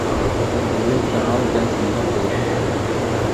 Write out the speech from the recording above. بۇ يىلقى ھال دەل شۇنداق بولدى.